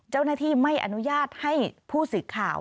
เจ้าหน้าที่ไม่อนุญาตให้ผู้สื่อข่าว